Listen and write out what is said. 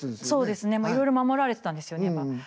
そうですねいろいろ守られてたんですよね。